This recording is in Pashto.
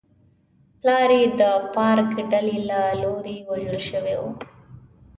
پلار یې د فارک ډلې له لوري وژل شوی و.